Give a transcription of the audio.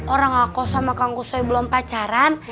orang aku sama kang kusoy belum pacaran